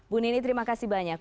bu nini terima kasih banyak